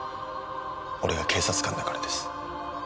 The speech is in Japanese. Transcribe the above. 俺が警察官だからです。